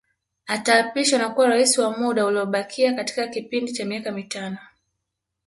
Ataapishwa na kuwa Rais wa muda uliobakia katika kipindi cha miaka mitano